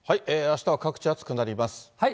あしたは各地、暑くなります。